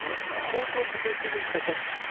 荒唐無けいということを言っちゃったんですよ。